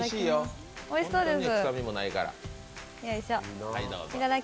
おいしそうです。